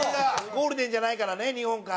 ゴールデンじゃないからね２本か。